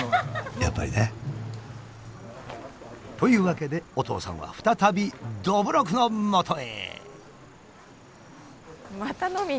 やっぱりね。というわけでお父さんは再びどぶろくのもとへ！